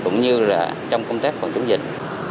cũng như trong công tác phòng chống dịch